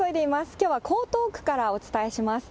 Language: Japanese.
きょうは江東区からお伝えします。